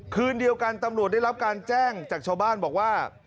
คืนเดียวกันตำรวจได้รับการแจ้งจากชาวบ้านบอกว่า